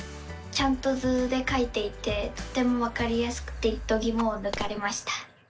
ちゃんと図でかいていてとてもわかりやすくてどぎもをぬかれました！